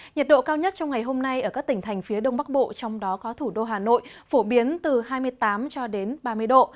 nhiệt độ cao nhất trong ngày hôm nay ở các tỉnh thành phía đông bắc bộ trong đó có thủ đô hà nội phổ biến từ hai mươi tám cho đến ba mươi độ